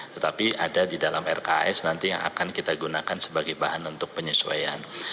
tetapi ada di dalam rks nanti yang akan kita gunakan sebagai bahan untuk penyesuaian